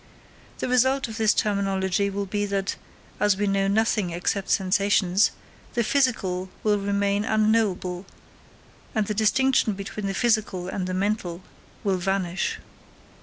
The result of this terminology will be that, as we know nothing except sensations, the physical will remain unknowable, and the distinction between the physical and the mental will vanish.